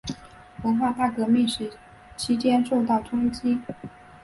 文化大革命期间受到冲击。